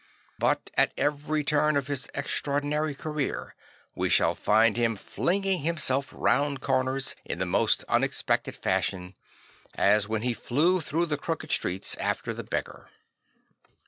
But at every turn of his extraordinary career we shall find him flinging himself round corners in the most unex pected fashion, as when he flew through the crooked streets after the beggar.